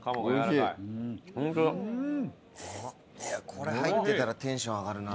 これ入ってたらテンション上がるな。